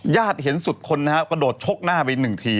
ยาดเห็นสุดคนก็โดดชกหน้าไป๑ที